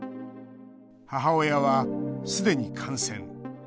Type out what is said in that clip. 母親は、すでに感染。